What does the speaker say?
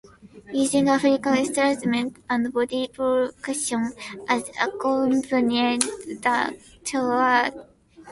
Using African instruments and body percussion as accompaniment, the choir performs traditional African works.